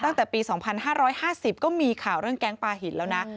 ตั้งแต่ปี๒๕๕๐ก็มีข่าวเรื่องแก๊งปลาหินแล้วนะ